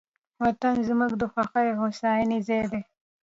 وطن زموږ د خوښۍ او هوساینې ځای دی.